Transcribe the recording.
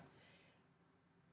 si omikron ini melepaskan